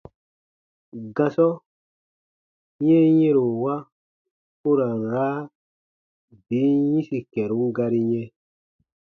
Gasɔ yɛnyɛ̃rowa u ra n raa bin yĩsi kɛ̃run gari yɛ̃.